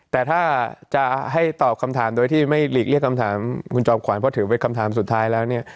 แต่ถ้าจะให้ตอบคำถามโดยที่ไม่หลีกเลี่ยคำถามคุณจอมขวัญเพราะถือเป็นคำถามสุดท้ายแล้วเนี่ย